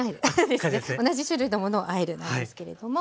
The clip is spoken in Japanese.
同じ種類のものをあえるなんですけれども。